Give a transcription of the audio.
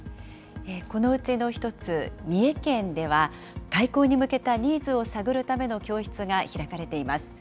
このうちの１つ、三重県では、開校に向けたニーズを探るための教室が開かれています。